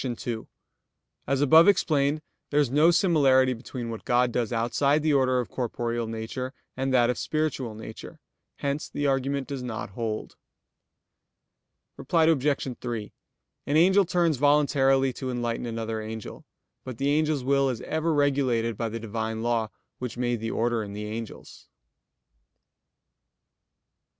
2: As above explained, there is no similarity between what God does outside the order of corporeal nature, and that of spiritual nature. Hence the argument does not hold. Reply Obj. 3: An angel turns voluntarily to enlighten another angel, but the angel's will is ever regulated by the Divine law which made the order in the angels.